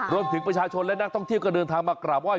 รวมถึงประชาชนและนักท่องเที่ยวก็เดินทางมากราบไห้